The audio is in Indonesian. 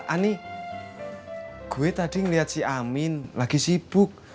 ani gue tadi ngeliat si amin lagi sibuk